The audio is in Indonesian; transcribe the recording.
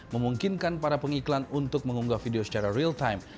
memungkinkan para pengiklan untuk mengunggah video secara real time